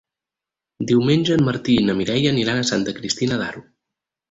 Diumenge en Martí i na Mireia aniran a Santa Cristina d'Aro.